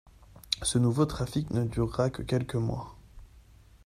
Ce nouveau trafic ne durera que quelques mois.